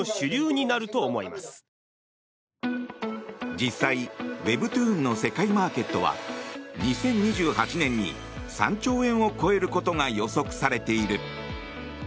実際、ウェブトゥーンの世界マーケットは２０２８年に３兆円を超えることが予測されている。